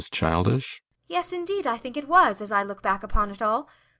ASTA. Yes, indeed, I think it was, as I look back upon it all.